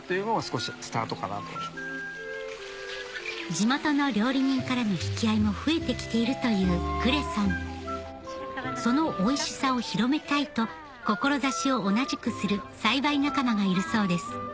地元の料理人からの引き合いも増えてきているというクレソンそのおいしさを広めたいと志を同じくする栽培仲間がいるそうです